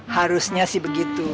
harusnya sih begitu